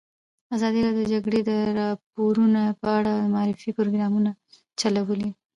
ازادي راډیو د د جګړې راپورونه په اړه د معارفې پروګرامونه چلولي.